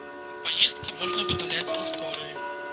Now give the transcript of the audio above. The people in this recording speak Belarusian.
Паездкі можна выдаляць з гісторыі.